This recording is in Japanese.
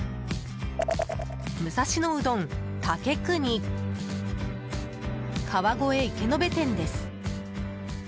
武蔵野うどん竹國川越池辺店です。